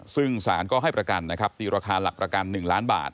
ซึ่งสารก็ให้ประกันนะครับตีราคาหลักประกัน๑ล้านบาท